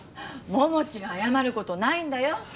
桃地が謝る事ないんだよ。